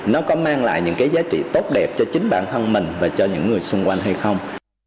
nó có mang lại những cái giá trị tốt đẹp cho chính bản thân mình và cho những người xung quanh hay không